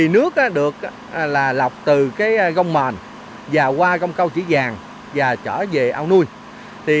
nước được lọc từ gông màn và qua gông cao chứa vàng và trở về ao nuôi